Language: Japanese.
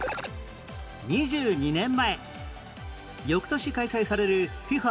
２２年前翌年開催される ＦＩＦＡ